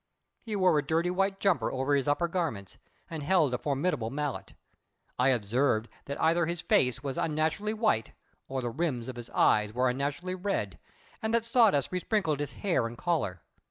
He wore a dirty white jumper over his upper garments, and held a formidable mallet. I observed that either his face was unnaturally white or the rims of his eyes were unnaturally red, and that sawdust besprinkled his hair and collar.